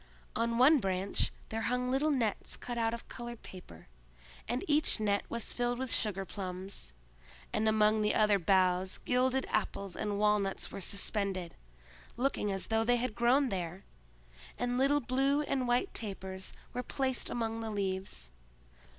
On one branch there hung little nets cut out of colored paper, and each net was filled with sugarplums; and among the other boughs gilded apples and walnuts were suspended, looking as though they had grown there, and little blue and white tapers were placed among the leaves.